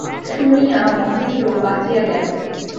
শুনিয়া মহেন্দ্র বাঁচিয়া গেল।